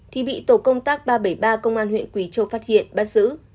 thì bị tổ công tác ba trăm bảy mươi ba công an huyện quỳ châu phát hiện bắt giữ